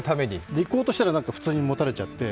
行こうとしたら、普通に持たれちゃって。